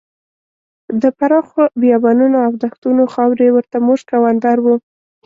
د پراخو بیابانونو او دښتونو خاورې ورته مشک او عنبر وو.